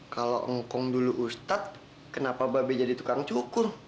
kalau ngkong dulu ustad kenapa babi jadi tukang cukur